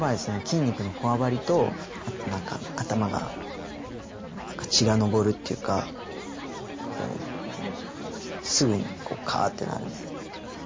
筋肉のこわばりとあと何か頭が何か血が上るっていうかこうすぐにカーッてなるんですよね